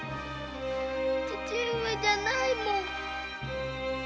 父上じゃないもん。